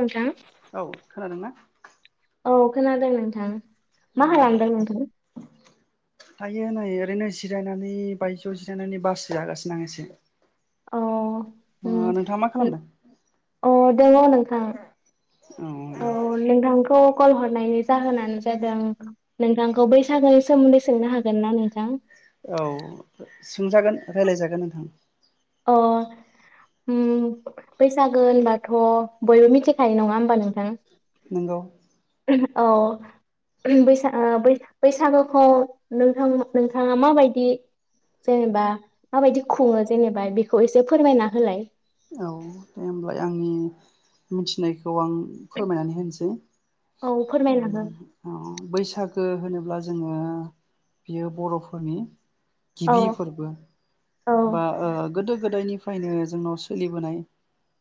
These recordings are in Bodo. नोंथां औ खोनादों ना? औ खोनादों नोंथां मा खालामदों नोंथा? थायो नै ओरैनो जिरायनानै बायजोआव जिरायनानै बारसो जागासिनो आं एसे। अ ओ ओं नोंथाङा मा खालामदों अ दोंङो नोंथां औ नोंथांखौ कल हरनायनि जाहोनानो जादों नोंथांखौ बैसागोनि सोमोन्दै सोंनो हागोन ना नोंथां? औ सोंजागोन राय्लायजागोन नोंथां। अ उम बैसागो होनबाथ' बयबो मिथिखायो नंङा होमबा नोंथां? नोंगौ। अ बैसा ओ बै बैसागो खौ नोंथां नोंथाङा माबायदि जेनेबा माबायदि खुङो जेनेबा बेखौ एसे फोरमायना होलाय। औ दे होनब्लाय आंनि मिथिनायख खौ आं फोरमायनानै होनोसै औ फोरमायना हो उम अ बैस बैसागो होनोब्ला जोङो बियो बर'फोरनि औ गिबि फोरबो औ बा ओ गोदो गोदायनिफ्रायनो जोंनाव सोलि बोनाय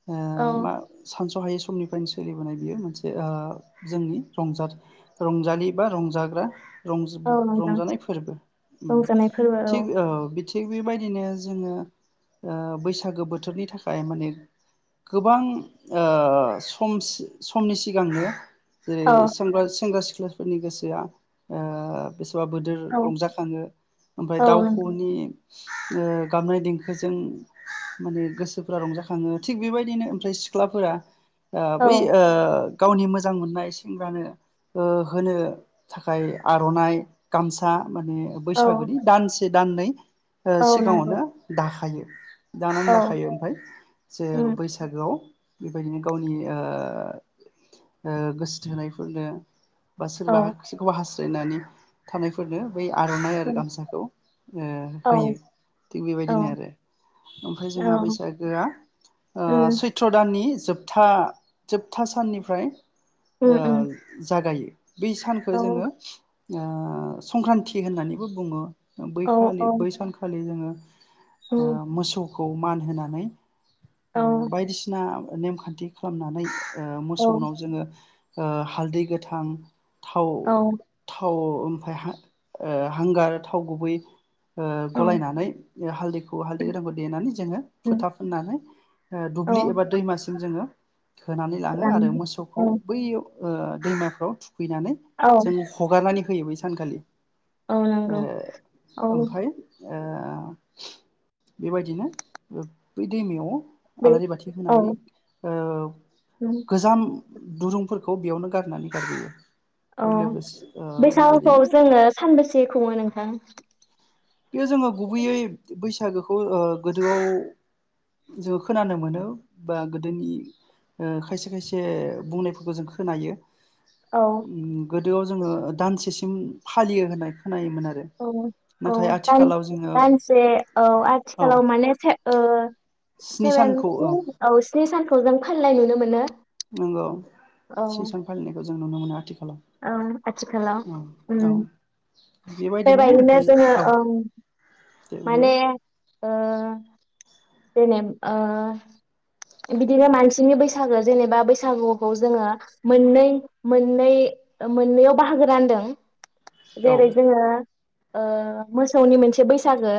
हो औ मा सानस सानहायै समनिफ्रायनो सोलिबोनाय बियो मोनसे ओ जोंनि रंजा रंजालि बा रंजाग्रा रंज औ नोंथां रंजानाय फोरबो रंजानाय फोरबो थिग थिग बेबायदिनो जोङो ओ बैसागो बोथोरनि थाखाय थाखाय माने गोबां ओ सम समनि सिगांनो औ जेरै सेंग्रा सिख्ला फोरनि गोसोआ बेसेबा बोदोर औ रंजाखाङो ओमफ्राय औ नोंथां दाउखौनि गाबनाय देंखोजों माने गोसो [unintelligible] रंजाखङो थिग बेबायदिनो ओमफ्राय सिख्लाफोरा ओ बै औ ओ गावनि मोजां मोननाय सेंग्रानो होनो थाखाय आरनाइ गामसा माने औ बैसागुनि दानसे दाननै ओ औ नंगौ सिगाङावनो दाखायो [inaudible] दानानै औ लाखायो ओमफाय जे उम बैसागोआव बेबायदिनो गावनि ओ गोसो थोनायफोरनो बा औ सोरबा सोरखौबा हास जायनानै थानायफोरनो बै आरनाइ आरो उम गामसाखौ ओ औ होयो थिग औ बेबायदिनो आरो ओमफ्राय जोंहा औ बैसाग हा ओ उम सैत्र दान जोबथा जोबथा साननिफ्राय उम ओ उम जागायो बै सानखौ औ जोङो ओ संक्रान्ति होननानैबो बुङो। औ बैखालि औ बै सानखालि जोङो ओ उम मोसौ खौ मान होनानै औ ओ बायदिसिना नेमखान्थि खालामनानै ओ औ मोसौनाव जोङो ओ हालदै गोथां, थाव औ थाव ओमफाय हा-हांगार, थाव गुबै ओ गलायनानै हालदैखौ हालदै गोथांखौ देनानै जोङो उम फोथा होनानै औ दुब्लि एबा दैमासिम जोङो होनानै लाङो लां आरो मोसौखौ औ बैयाव ओ दैमाफ्राव थुखैनानै औ जों हगारनानै होयो बैसा सानखालि। औ ओ नंगौ औ ओमफाय ओ बेबायदिनो बै दैमायाव बे आलारि बाथि औ होनानै ओ उम गोजाम दुरुंफोरखौ बेयावनो गारनानै गारबोयो ओमफ्राय अह लोगोसे ओ बैसागुखौ बेबायदिनो जोङो सानबेसे खुङो नों [inaudible] बेयो जोङो गुबैयै बैसागोखौ ओ गोदोआव जोङो खोनानो मोनो बा गोदोनि ओ खायसे खायसे बुंनायफोखो जों खोनायो औ गोदोआव जोङो दानसे [unintelligible] फालियो होननाय खोनायो मोन आरो। औ औ नाथाय आथिखालाव जोङो दान-दानसे औ औ आथिखालाव माने से ओ स्नि सेभेन सानखौ औ स्नि सानखौ जों फाल [unintelligible] नुनो मोनो। नंगौ औ स्नि सान फालिनायखौ जों नुनो मोनो आथिखाल औ आथिखालाव उम। औ बेबायदिनो ओमफ्राय जोङो औ दे बुंलाय माने ओ जेनेब ओ बिदिनो मानसिनि बैसागो जेनेबा बैसागुखौ जोङो मोननै मोननै मोननैयाव बाहागो रानदों। औ जेरै जोङो ओ मोसौनि मोनसे बैसागो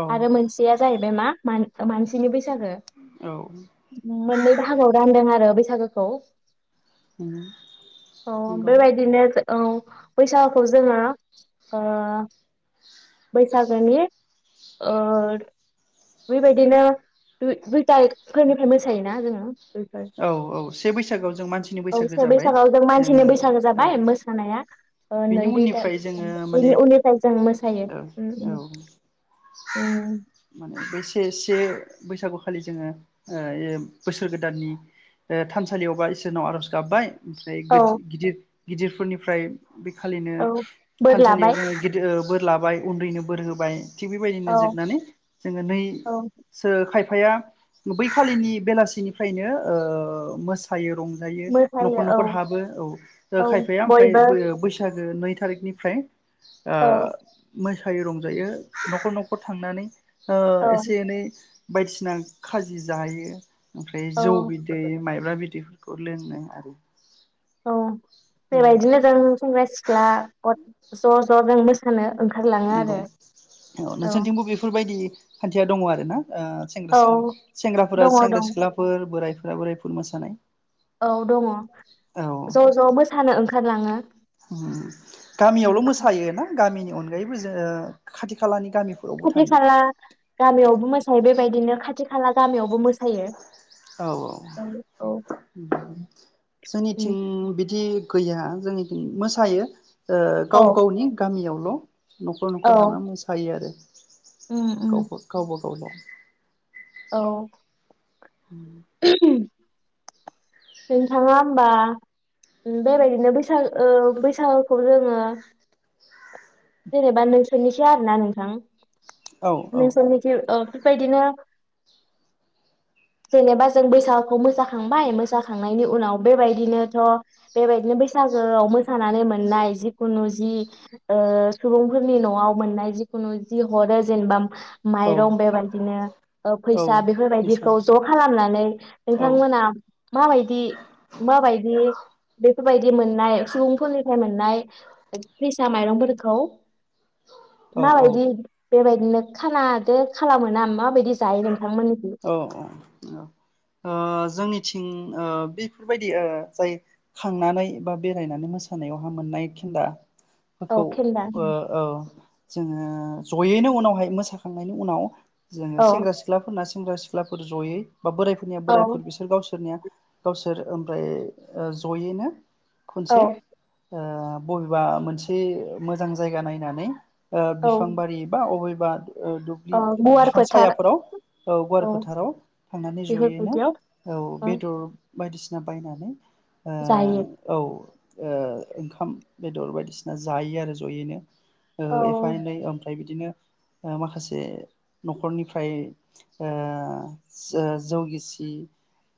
औ आरो मोनसेया जाहै बे मा मान ओ मानसिनि बैस औ [unintelligible] मोननै बाहागोआव रानदों आरो आरो बैसागोखौ उम अ बे औ बायदिनो औ बैसागोखौ जोङो ओ बैसागोनि ओ बेबायदिनो दुइथा फोरनिफ्राय मोसायोना जोङो। दुइफोर औ औ से बैसागोआव जों मानसिनि औ बैसागो से जाबाय बैसागोआव जों मानसिनि जोङो बैसागो औ जाबाय मोसानाया ओ बेनि नै दुइ था उननिफ्राय जोङो माने बेनि उननिफ्राय जों मोसायो औ उम औ उम उम माने बे से से बैसागुखालि जोङो ओ बोसोर गोदाननि थानसालियावबा इसोरनाव आर'ज गाबबाय ओमफाय औ गोद गिदिर गिदिरफोरनिफ्राय बेखालिनो औ बोर थानसालियाव लाबाय जोङो गिदिर बोर लाबाय उन्दैनो बोर होबाय थिग औ बेबायदिनो जोबनानै जोङो औ नैसो खाय बिफाया बैखालिनि बेलासिनिफ्रायनो ओ मोसायो रं जायो न'खर मोसायो औ न'खर हाबो औ खायफाया ओमफ्राय बैसागो जो नै थारिखनिफ्राय आ औ मो खायो रंजायो न'खर न'खर थांनानै ओ औ एसे एनै बायदिसिना खाजि जायो ओमफ्राय औ जौ। जेरै माइब्रा बिदि बेफोरखौ लोंनो आरो औ बेबायदिनो जों सेंग्रा सिख्ला गथ' ज ज' जों मोसानो ओंखारलाङो नंगौ आरो औ नोंसोरथिंबो बेफोरबायदि खान्थिया दङ आरो ना ओ सेंग्रा- औ सें -सेंग्राफोरा दङ दं सेंग्रा-सिख्लाफोर बोरायफोर बोरायफोर मोसानाय औ दङ' औ ज' ज' मोसानो। खारलाङो। उम गामियावल' मोसायो ना गामिनि अन गायैबो जो खाथि खालानि गामिफोरावबो खाथि थाङो खाला गामियावबो मोसायो बे बायदिनो खाथि खाला गामियावबो मोसायो। औ औ उम उम जोंनिथिं बिदि गैया जोंनिथिं मोसायो। ओ गाव औ गावनि गामियाव ल। न'खर न'खर हाबा औ मोसायो आरो। उम उम गावबा गावबा [unintelligible] औ उम नोंथाङा होमबा बेबायदिनो बैसाग बैसागोखौ जोङो जेनेबा नोंसोरनिसो आरो ना नोंथां औ औ नोंसोरनिथिं ओ बेबायदिनो जेनेबा जों बैसागुखौ मोसाखांबाय मोसाखांनायनि उनाव बेबायदिनोथ' बेबायदिनो बैसागोआव मोसानानै मोननाय जिखुनु जि ओ सुबुंफोरनि न'आव मोननाय जिखुनु जि हरो जेनेबा औ माइरं बेबायदिनो ओ औ फैसा फैसा बेफोरबायदिखौ ज' खालामनानै औ नोंथांमोना माबायदि माबायदि बेफ बेफोरबायदि मोननाय सुबुंफोरनिफ्राय मोननाय फैसा माइरंफोरखौ औ मा औ बायदि बेबाय नो खानादो खालाम मोना माबायदि जायो नों औ औ औ ओ जोंनिथिं ओ बेफोरबायदि ओ जाय खांनानै बा बेरायनानै मोसानायावहा मोननाय खेन्दा औ बेखौ खेन्दा ओ औ। जोङो ज'यैनो उनावहाय मोसाखांनायनि उनाव जोङो औ सेंग्रा सिख्लाफोरना सेंग्रा सिख्लाफोर ज'यै बा बोरायफोरनिया औ बोरायफोर बिसोर गावसोरनिया। गावसोर ओमफ्राय ओ ज'यैनो औ खनसे बबेबा मोनसे मोजां जायगा नायनानै औ बिफां बारि बा अबे बाद दुब्लि औ गुवार बिफां फोथार सायाफोराव औ गुवार फोथाराव थांनानै जयैनो बेफोरबायदियाव औ ओ बेदर बायदिसिना बायनानै जायो ओ औ ओंखाम बेदर बायदिसिना जायो आरो जयैनो औ एफा एनै ओमफ्राय बिदिनो माखासे नखरनिफ्राय ओ जौ गिसि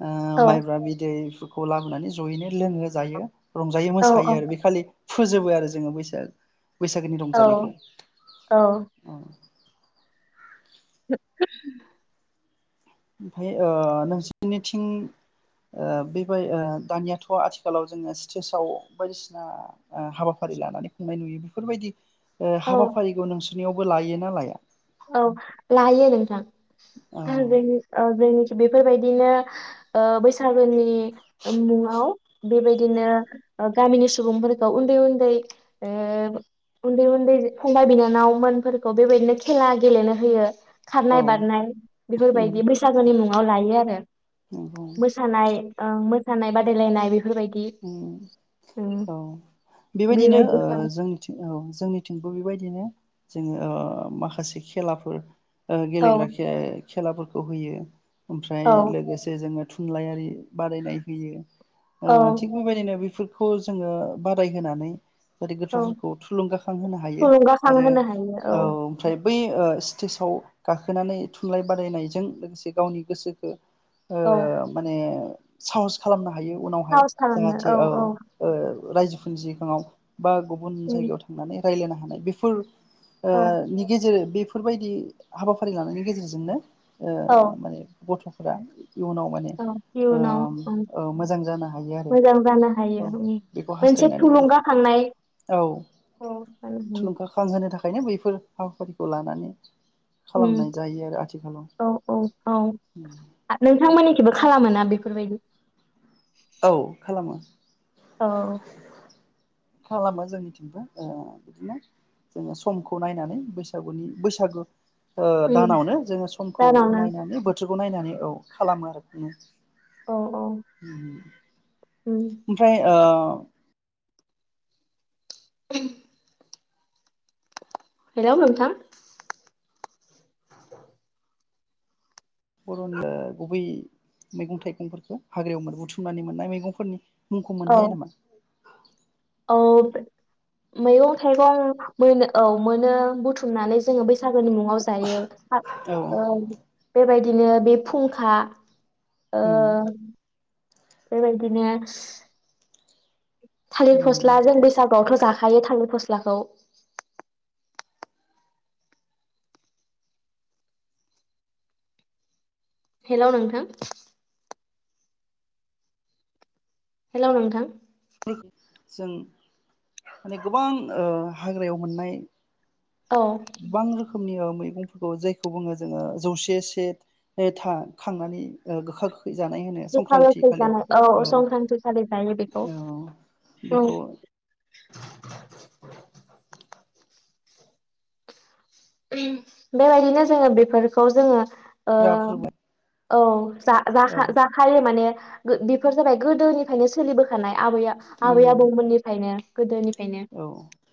ओ औ माइब्रा बिदै खौ लाबोनानै जयैनो लोङो जायो रंजायो औ मोसायो आरो बे खालि फोजोबो आरो जोङो बैसाग बैसागोनि औ रंजानायखौ औ [unintelligible] ओमफ्राय नोंसोरनिथिं बेबाय दानियाथ आथिखालाव जोङो स्टेजाव बायदिसिना हाबाफारि लानानै खुंनाय नुयो बेफोरबायदि औ हाबाफारिखौ नोंसोर बेयावबो लायो ना लाया औ लायो नोंथां औ आ बेनो आ बेनो बेफोरबायदिनो ओ बैस बैसागोनि मुङाव बेबायदिनो गामिनि सुबुंफोरखौ उन्दै उन्दै ओ उन्दै उन्दै फंबाय बिनानावमोनफोरखौ बेबायदिनो खेला गेलेनो होयो औ खारनाय बारनाय बेफोरबायदि बैसागुनि मुङाव लायो आरो नंगौ मोसानाय ओं खारनाय बादायलायनाय बेफो औ बेबायदिनो बेबायदिखौ जोंनिथिं औ जोंनिथिं बेबायदिनो जोङो माखासे खेलाफोर ओं औ गेलेग्रा खेल खेलाफोरखौ होयो ओमफ्राय औ लोगोसे जोङो थुनलाइयारि बादायनाय होयो। औ। [unintelligible] बायदिनो बिफोरखौ जोङो बादाय होनानै [unintelligible] औ गथफोरखौ थुलुंगाखां होनो‌ हायो थुलुंगाखां आरो होनो हायो औ ओमफ्राय बै ओ स्टेजाव गाखोनानै थुनलाइ बादायनायजों लोगोसे गावनि गोसोखो ओ औ माने ओ साहस खालामना हायो उनावहाय। जाहाथे औ ओ रायजोफोरनि सिगाङाव। बा गुबुन उम जायगायाव थांनानै रायलायनो हानाय बिफोर ओ औ नि गेजेर बेफो बेफोरबायदि हाबाफारि लानायनि गेजेरजोंनो ओ औ माने गथ'फोरा इयुनाव माने औ इयुनाव ओम उम ओ मोजां जानो हायो आरो। मोजां जानो औ हायो ओं बेखौ मोनसे हास्थायनानै थुलुंगाखांनाय औ औ जानो हायो। नो थाखायनो बैफोर हाबाफारिखौ लानानै उम खालामनाय जायो आरो आथिखालाव औ औ औ आ नोंथांमोननि खिबो खालामोना बेफोरबायदि औ खालामो। औ। खालामो जोंनिथिंबो ओ बिदिनो जोङो समखौ नायनानै बैसागुनि बैसागु ओ उम दानावनो जोङो समखौ जानावनो नायनानै बोथोर खौ नायनानै औ खालामो आरो बिनो। औ औ उम। उम ओमफाय ओ [unintelligible] हेलौ नोंथा बर'नो ओ गुबै मेगं थाइगंफोरखौ हाग्रायावनो बुथुमनानै मोननाय मेगंफोरनि मुंखौ मोन हायो नामा? ओ मैगं थाइगं मोन औ मोनो बुथुमनानै जोङो बैसा सागोनि मुङाव जायो औ ओ बेबायदि बिदिनो बे फुंखा ओ उम बेबायदिनो थालिर उम फस्ला जों बैसागुआवथ' जाखा हयो थांनो फस्लाखौ हेलौ नोंथां हेलौ नोंथां [unintelligible] जों माने गोबां ओ हाग्रायाव मोननाय औ [inaudible] गोबां रोख रोखोमनि मैगंफोरखौ जायखौ बुङो जोङो जौसे से था खांनानै ओ गोखा गोखै जानाय होनो गोखा संक्रान्ति गोखै जानाय औ संक्रान्ति खालि जायो बेखौ अ औ बेखौ [inaudible] उम बेबायदिनो जोङो बेफोरखौ जोङो ओ हाग्रा फोरबो औ जा जा औ जाखा जाखायो माने गो बेफोर जाबाय गोदोनिफायनो सोलिबोखानाय आबैया आबै उम आबौ मोननिफायनो गोदोनि औ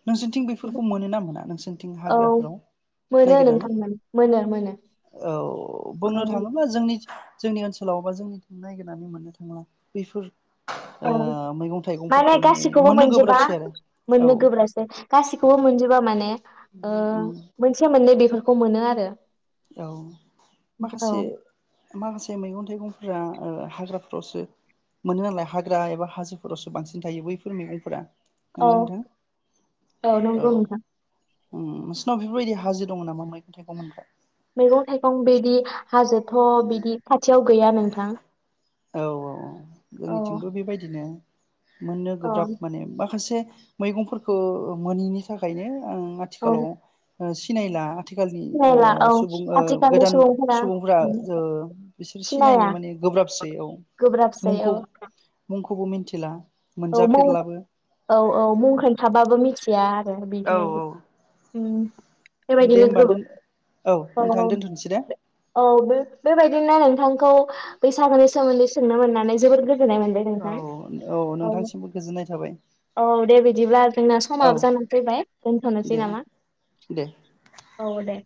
नोंसोरनिथिं बेफोरखौ मोनो ना मोना नोंसोर थिं औ हाग्राफोराव मोनो नायागिरनानै नोंथां मोनो मोनो मोनो औ औ बुंनो औ थाङोबा जोंनि जोंनि ओनसोलाव बा जोंनिथिं नायगिरनानै मोननो थांला बेफोर ओ औ मैगं थाइगंफोरखौ माने गासिखौबो मोननो मोनजोबा गोब्राबसै आरो औ मोननो गोब्रासै गासिखौबो मोनजोबा माने ओ उम मोनसे मोननै बेफोरख खौ मोनो आरो औ औ माखासे माखासे मैगं थाइगं फोरा ओ हाग्राफोरावसो मोनो नालाय हाग्रा एबा हाजोफोरावसो बांसिन थायो बैफोर मैगंफोरा औ नंगौना नोंथां औ नंगौ नोंथां उम नोंसिनाव बेफोरबायदि हाजो दङ नामा मैगं थाइगं मोनग्रा? मैगं थाइगं बिदि हाजोथ' बिदि खाथियाव गैया नोंथां औ औ औ जोंनिथिंबो बेबायदिनो मोननो औ गोब्राब माने माखासे मैगंफोरखौ मोनिनि थाखायनो ओम औ आथिखालाव ओ सिनायला आथिखालनि ओ सिनायला औ सुबुं ओ आथिखालनि गोदान सुबुंफोरा सुबुंफ्रा ओ बिसोर सिनायनो सिनाया माने गोब्राबसै औ गोब्राबसै औ मुंखौ मुंखौबो मिनथिला औ मुं औ औ मुं खोन्थाबाबो मिथि या उम औ बिदिनो खि उम दे बेबायदिनो होमबा गोव दोन औ नोंथां दोनथ'नोसै दे औ औ बेबायदिनो गौ बैसागोनि सोमोन्दै सोंनो मोननानै जोबोर गोजो नाय मोनदों औ नोंथां। औ नोंथांसिमबो गोजोननाय थाबाय औ दे बिदिब्ला जोंना औ समाबो जाना फैबाय दोनथ'नोसै दे नामा दे औ दे